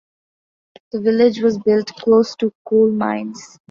The village was built close to coal mines.